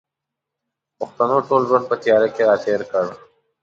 پښتنو ټول ژوند په تیاره کښې را تېر کړ